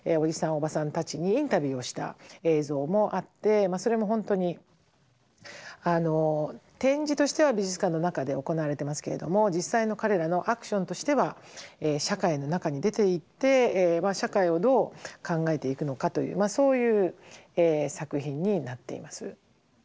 おばさんたちにインタビューをした映像もあってそれも本当に展示としては美術館の中で行われてますけれども実際の彼らのアクションとしては社会の中に出ていって社会をどう考えていくのかというまあそういう作品になっています。